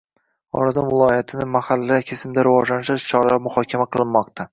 Xorazm viloyatini mahallalar kesimida rivojlantirish choralari muhokama qilinmoqda